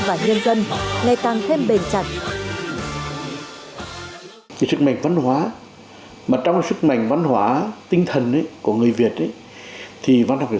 văn nghệ sĩ với đảng nhà nước và nhân dân ngày tăng thêm bền chặt